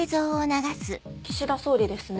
岸田総理ですね。